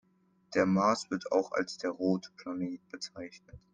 Der Mars wird auch als der „rote Planet“ bezeichnet.